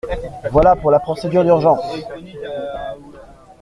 Voilà pour la procédure d’urgence.